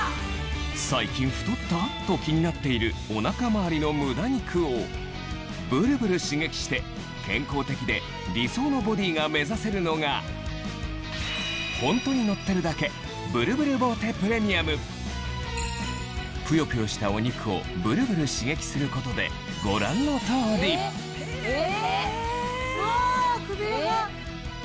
最近太った？と気になっているお腹回りのムダ肉をブルブル刺激して健康的で理想のボディーが目指せるのがぷよぷよしたお肉をブルブル刺激することでご覧の通りえ！